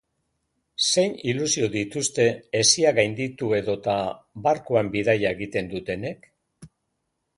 Zein ilusio dituzte hesia gainditu edota barkuan bidaia egiten dutenek?